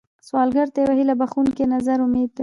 سوالګر ته یو هيله بښونکی نظر امید دی